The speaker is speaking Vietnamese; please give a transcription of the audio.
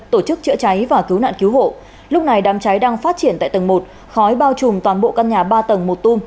tổ chức chữa cháy và cứu nạn cứu hộ lúc này đám cháy đang phát triển tại tầng một khói bao trùm toàn bộ căn nhà ba tầng một tung